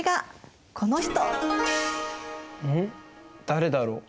誰だろう？